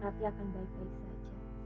kasi harap ratu akan baik baik saja